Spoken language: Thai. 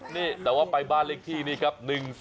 นี่แต่ว่าไปบ้านเลขที่นี้ครับ